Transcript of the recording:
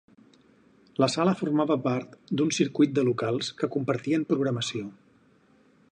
La sala formava part d'un circuit de locals que compartien programació.